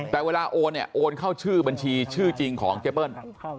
แต่เวลาโอนเนี่ยโอนเข้าชื่อบัญชีชื่อจริงของเจเปิ้ล